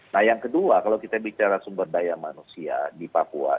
nah yang kedua kalau kita bicara sumber daya manusia di papua